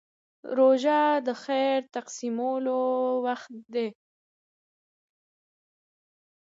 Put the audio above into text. روژه د خیر تقسیمولو وخت دی.